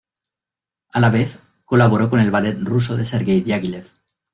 A la vez, colaboró con el Ballet Ruso de Sergei Diaghilev.